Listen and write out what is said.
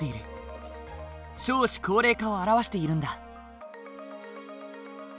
少子高齢化を表しているんだ。